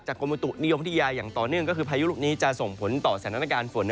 กรมบุตุนิยมพัทยาอย่างต่อเนื่องก็คือพายุลูกนี้จะส่งผลต่อสถานการณ์ฝน